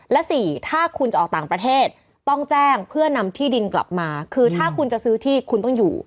และสี่ถ้าคุณจะออกต่างประเทศต้องแจ้งเพื่อนำที่ดินกลับมาคือถ้าคุณจะซื้อที่คุณต้องอยู่